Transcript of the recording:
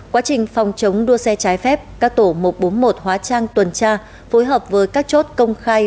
quá trình phòng chống đua xe trái phép các tổ một trăm bốn mươi một hóa trang tuần tra phối hợp với các chốt công khai